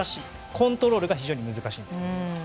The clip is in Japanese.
コントロールが非常に難しいんです。